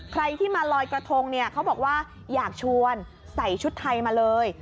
ใครที่มาลอยกระทงเนี่ยเขาบอกว่าอยากชวนใส่ชุดไทยมาเลย